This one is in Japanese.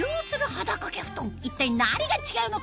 一体何が違うのか？